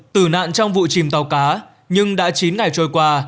tử nạn trong vụ chìm tàu cá nhưng đã chín ngày trôi qua